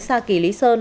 sa kỳ lý sơn